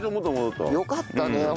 よかったね